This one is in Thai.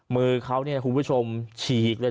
มือเขาคุณผู้ชมฉีก